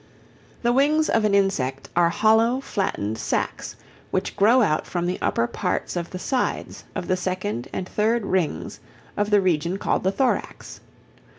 The wings of an insect are hollow flattened sacs which grow out from the upper parts of the sides of the second and third rings of the region called the thorax.